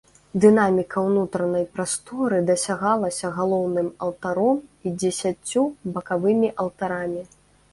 Дынаміка ўнутранай прасторы дасягалася галоўным алтаром і дзесяццю бакавымі алтарамі.